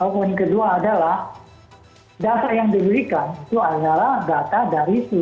poin kedua adalah dasar yang diberikan adalah data dari seluruh